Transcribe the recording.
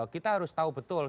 kita harus tahu betul